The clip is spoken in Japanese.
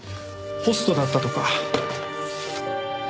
ホストだったとか。